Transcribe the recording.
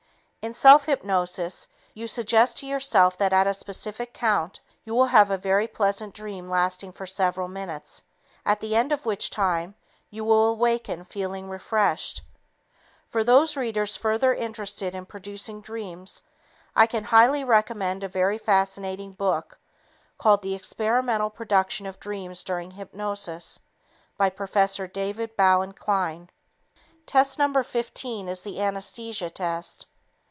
In self hypnosis, you suggest to yourself that at a specific count you will have a very pleasant dream lasting for several minutes, at the end of which time you will awaken feeling refreshed. For those readers further interested in producing dreams, I can highly recommend a very fascinating book called The Experimental Production of Dreams During Hypnosis by Professor David Ballin Klein. Test No. 15 is the "anesthesia" test.